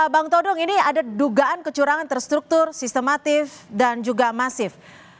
bang todong ini ada dugaan kecurangan terstruktur sistematif dan juga masif